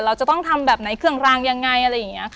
เราจะต้องทำแบบไหนเครื่องรางยังไงอะไรอย่างนี้ค่ะ